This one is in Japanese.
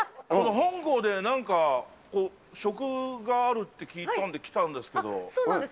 本郷でなんか食があるって聞いたそうなんです。